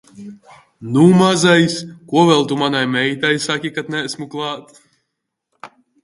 Nu, mazais, ko vēl tu manai meitai saki, kad neesmu klāt?